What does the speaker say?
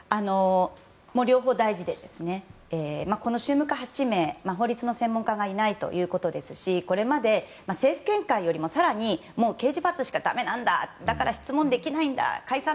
両方大事でこの宗務課８名法律の専門家がいないということですしこれまで、政府見解よりも更に刑事罰しかだめなんだだから質問できないんだ解散